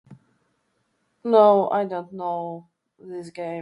No, I don't know this game.